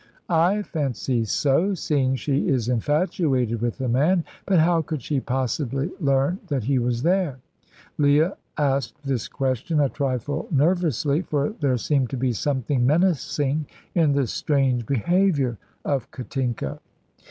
"I fancy so, seeing she is infatuated with the man. But how could she possibly learn that he was there?" Leah asked this question a trifle nervously, for there seemed to be something menacing in this strange behaviour of Katinka.